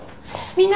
みんな！